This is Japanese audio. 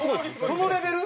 そのレベル？